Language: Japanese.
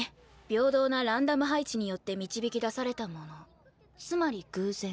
平等なランダム配置によって導き出されたものつまり偶然。